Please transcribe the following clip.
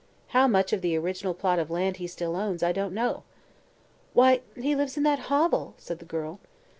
How much of the original plot of land he still owns I don't know." "Why, he lives in that hovel!" said the girl.